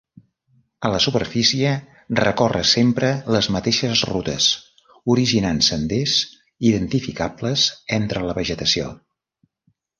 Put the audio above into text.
A la superfície recorre sempre les mateixes rutes, originant senders identificables entre la vegetació.